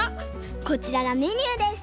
こちらがメニューです。